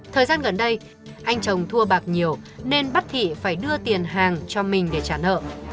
thời gian gần đây anh chồng thua bạc nhiều nên bắt thị phải đưa tiền hàng cho mình để trả nợ